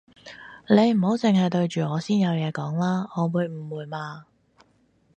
你唔好剩係對住我先有嘢講啦，我會誤會嘛